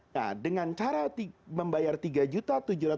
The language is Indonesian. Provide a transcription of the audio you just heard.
nah dengan cara membayar tiga juta tujuh ratus lima puluh